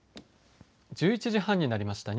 １１時半になりました。